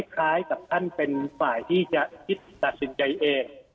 คล้ายกับท่านเป็นฝ่ายที่จะคิดตัดสินใจเอง